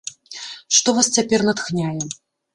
Што вас цяпер натхняе?